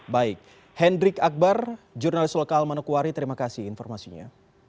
baik hendrik akbar jurnalis lokal manokwari terima kasih informasinya